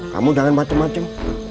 kamu jangan macem macem